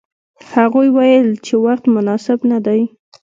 هغوی ویل چې وخت مناسب نه دی.